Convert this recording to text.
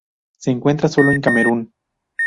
Se encuentra sólo en el Camerún.